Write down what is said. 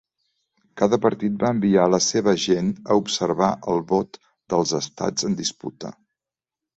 Cada partit va enviar la seva gent a observar el vot dels estats en disputa.